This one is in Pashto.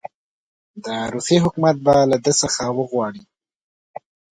د روسیې حکومت به له ده څخه وغواړي.